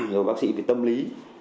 rồi bác sĩ về tâm lý